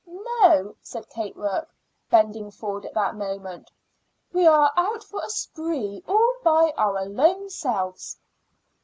"No," said Kate Rourke, bending forward at that moment; "we are out for a spree all by our lone selves."